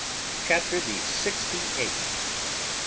CHAPTER THE SIXTY EIGHTH.